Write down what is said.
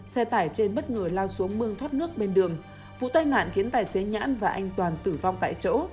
xe tải trên bất ngờ lao xuống mương thoát nước bên đường vụ tai nạn khiến tài xế nhãn và anh toàn tử vong tại chỗ